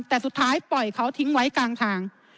แต่สุดท้ายปล่อยเขาทิ้งไว้กลางทาง